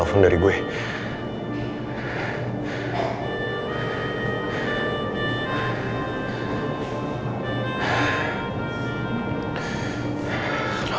putri aku nolak